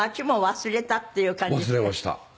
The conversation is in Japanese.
忘れました。